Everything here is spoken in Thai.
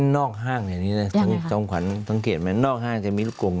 นอกห้างในนี้นะจงขวัญสังเกตไหมนอกห้างจะมีลูกกง